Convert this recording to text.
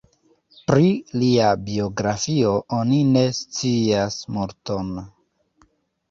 Pri lia biografio oni ne scias multon.